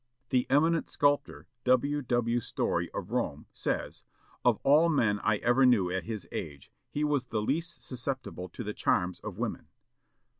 The eminent sculptor, W. W. Story of Rome, says, "Of all men I ever knew at his age, he was the least susceptible to the charms of women.